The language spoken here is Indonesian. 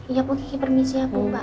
iya bu kiki permisi ya bu mbak